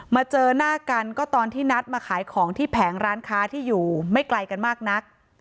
เจอหน้ากันก็ตอนที่นัดมาขายของที่แผงร้านค้าที่อยู่ไม่ไกลกันมากนัก